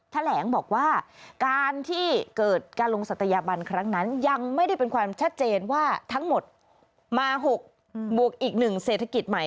แถลงบอกว่าการที่เกิดการลงศัตยาบันครั้งนั้นยังไม่ได้เป็นความชัดเจนว่าทั้งหมดมา๖บวกอีก๑เศรษฐกิจใหม่